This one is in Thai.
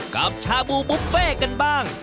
กับชาบูบุฟเฟ่กันบ้าง